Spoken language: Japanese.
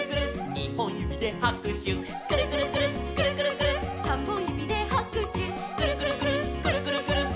「にほんゆびではくしゅ」「くるくるくるっくるくるくるっ」「さんぼんゆびではくしゅ」「くるくるくるっくるくるくるっ」